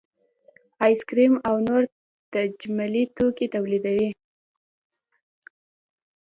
ایس کریم او نور تجملي توکي تولیدوي